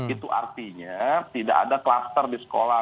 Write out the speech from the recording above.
itu artinya tidak ada kluster di sekolah